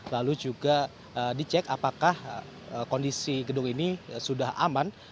lalu juga dicek apakah kondisi gedung ini sudah aman